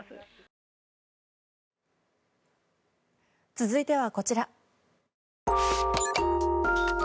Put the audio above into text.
続いては、こちら。